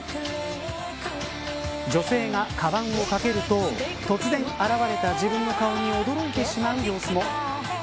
女性が、かばんを掛けると突然現れた自分の顔に驚いてしまう様子も。